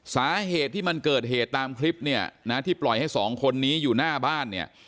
สาเหตุที่มันเกิดเหตุตามคลิปเนี่ยนะที่ปล่อยให้สองคนนี้อยู่หน้าบ้านเนี่ย